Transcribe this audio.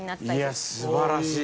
いや素晴らしい。